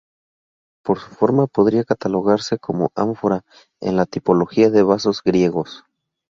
Por su forma podría catalogarse como ánfora, en la tipología de vasos griegos.